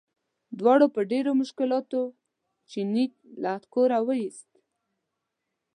دواړو په ډېرو مشکلاتو چیني له کوره وویست.